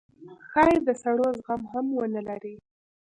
ښايي د سړو زغم هم ونه لرئ